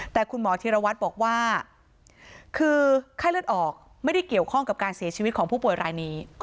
แต่คุณหมอธิรวัตรบอกว่าคือไข้เลือดออกไม่ได้เกี่ยวข้องกับการเสียชีวิตของผู้ป่วยรายนี้